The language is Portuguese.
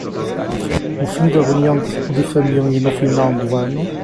O fim da reunião de família no final do ano